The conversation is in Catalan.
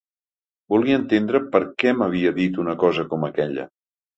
Volia entendre per què m’havia dit una cosa com aquella.